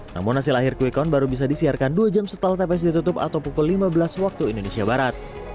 namun hasil akhir quickon baru bisa disiarkan dua jam setelah tps ditutup atau pukul lima belas waktu indonesia barat